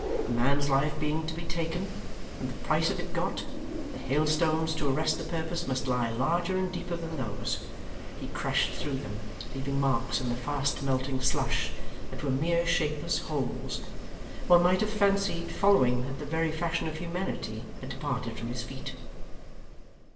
A man's life being to be taken and the price of it got, the hailstones to arrest the purpose must lie larger and deeper than those. He crashed through them, leaving marks in the fast melting slush that were mere shapeless holes; one might have fancied, following, that the very fashion of humanity had departed from his feet.